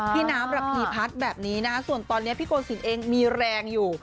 พี่น้ำระพีพัฒน์แบบนี้นะส่วนตอนนี้พี่โกศิลป์เองมีแรงอยู่